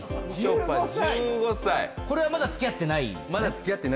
これまだ付き合ってないですね。